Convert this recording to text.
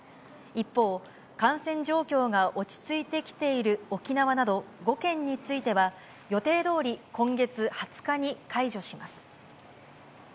一方、感染状況が落ち着いてきている沖縄など５県については、予定どおり今月２０日に解除します。